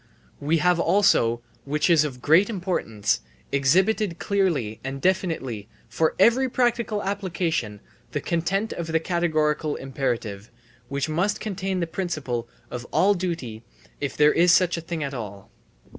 We have also, which is of great importance, exhibited clearly and definitely for every practical application the content of the categorical imperative, which must contain the principle of all duty if there is such a thing at all.